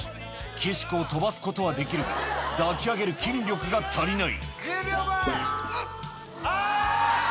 岸子を飛ばすことはできるが抱き上げる筋力が足りないあ！